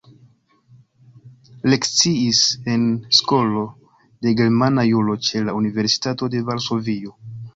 Lekciis en Skolo de Germana Juro ĉe la Universitato de Varsovio.